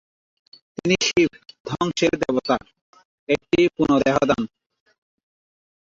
তিনি শিব, ধ্বংসের দেবতার, একটি পুনঃদেহদান।